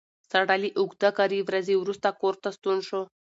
سړی له اوږده کاري ورځې وروسته کور ته ستون شو